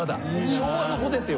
昭和の子ですよ